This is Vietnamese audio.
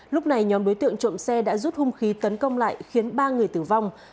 lúc này nhóm đối tượng trộm xe đã rút hung khí tấn công lại khiến ba người tử vong